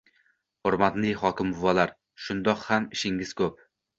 Hurmatli hokimbuvalar, shundoq ham ishingiz ko‘p